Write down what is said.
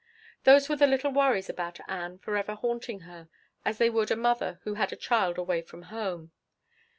Those were the little worries about Ann forever haunting her, as they would a mother who had a child away from home.